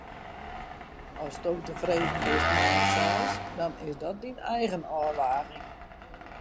Asto tefreden bist mei in seis, dan is dat dyn eigen ôfwaging.